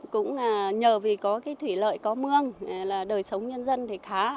cũng nhờ vì có cái thủy lợi có mương là đời sống nhân dân thì khá